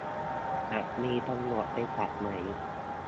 จะมีตำรวจไปจับไหม